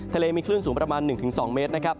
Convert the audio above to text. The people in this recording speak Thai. ทะเลมีคลื่นสูงประมาณ๑๒เมตรนะครับ